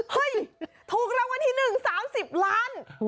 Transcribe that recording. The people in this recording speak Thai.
เฮ้ยถูกรางวัลที่๑๓๐ล้าน